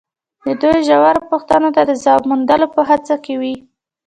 دوی ژورو پوښتنو ته د ځواب موندلو په هڅه کې وي.